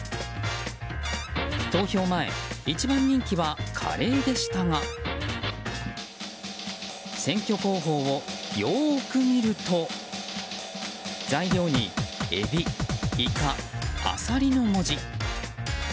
投票前一番人気はカレーでしたが選挙公報をよく見ると材料にえび、いか、あさりの文字。